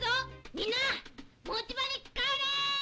みんな、持ち場に帰れ！